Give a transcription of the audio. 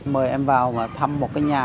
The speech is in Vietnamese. mời em vào thăm một cái nhà